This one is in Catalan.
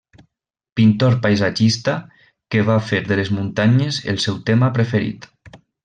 Pintor paisatgista que va fer de les muntanyes el seu tema preferit.